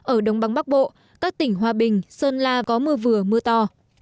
ở đông bắc bộ các tỉnh hoa bình sơn la có mưa vừa mưa to